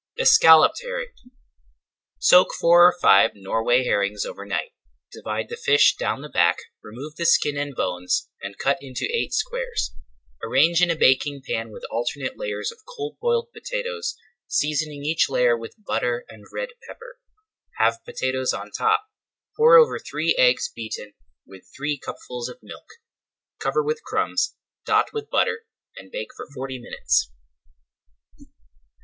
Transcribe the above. ESCALLOPED HERRING Soak four or five Norway herrings over night. Divide the fish down the back, remove the skin and bones, and cut into eight squares. Arrange in a baking pan with alternate layers of cold boiled potatoes, seasoning each layer with butter and red pepper. Have potatoes on top. Pour over three eggs beaten with three cupfuls of milk. Cover with crumbs, dot with butter, and bake for forty minutes.